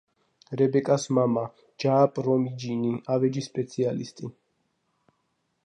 რებეკას მამა, ჯააპ რომიჯინი, ავეჯის სპეციალისტი.